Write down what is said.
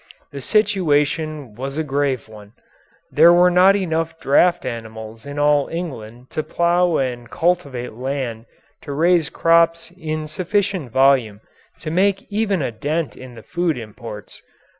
The situation was a grave one. There were not enough draft animals in all England to plough and cultivate land to raise crops in sufficient volume to make even a dent in the food imports.